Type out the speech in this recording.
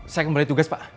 saya kembali tugas pak